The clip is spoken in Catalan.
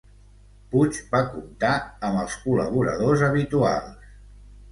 Puig va comptar amb els col·laboradors habituals.